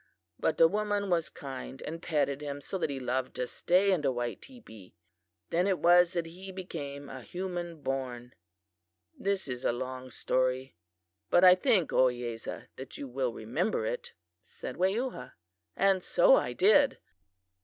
But the woman was kind and petted him so that he loved to stay in the white teepee. Then it was that he became a human born. This is a long story, but I think, Ohiyesa, that you will remember it," said Weyuha, and so I did.